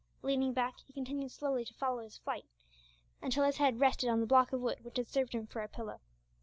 Leaning back, he continued slowly to follow its flight, until his head rested on the block of wood which had served him for a pillow.